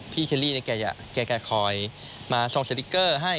พี่เชลลี่เนี่ยแกจะคอยมาส่งสติกเกอร์ให้